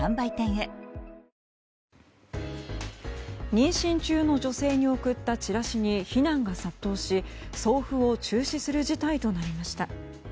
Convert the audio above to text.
妊娠中の女性に送ったチラシに非難が殺到し、送付を中止する事態となりました。